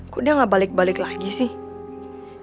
kok dia gak balik balik lagi sih